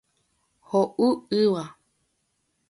Ho'u yva.